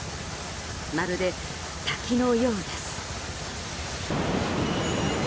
まるで、滝のようです。